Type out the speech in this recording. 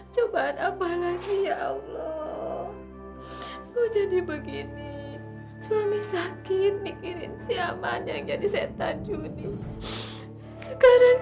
cobaan apalagi allah gue jadi begini suami sakit mikirin si aman yang jadi setan juni sekarang